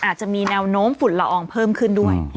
อาจจะมีแนวโน้มฝุ่นละอองเพิ่มขึ้นด้วย